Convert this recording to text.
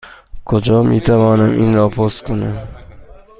کجا می توانم این را پست کنم؟